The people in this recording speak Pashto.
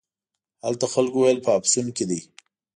هلته خلکو ویل په افسون کې دی.